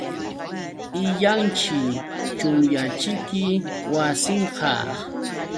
Illanćhi, chunyanćhiki wasinqa.